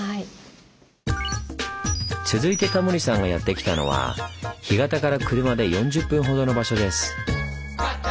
続いてタモリさんがやって来たのは干潟から車で４０分ほどの場所です。